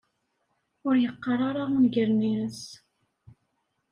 Ur yeqqar ara ungalen-nnes.